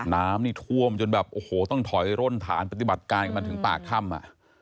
น้ำนี่ท่วมจนแบบโอ้โหต้องถอยร่นฐานปฏิบัติการกันมาถึงปากถ้ำ